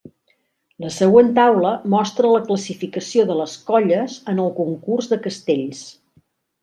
La següent taula mostra la classificació de les colles en el concurs de castells.